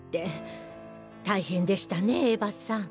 大変でしたねエヴァさん。